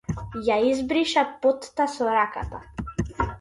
Ја избриша потта со раката.